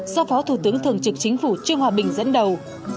do phó thủ tướng thường trực chính phủ trương hòa bình dẫn đầu